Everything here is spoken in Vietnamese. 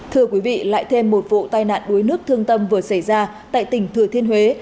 thưa quý vị lại thêm một vụ tai nạn đuối nước thương tâm vừa xảy ra tại tỉnh thừa thiên huế